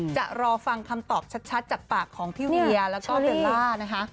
จะรอฟังคำตอบชัดจากปากของพี่เวียแล้วก็เบลล่านะคะ